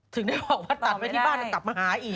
ถึงได้บอกว่าตัดไว้ที่บ้านกลับมาหาอีก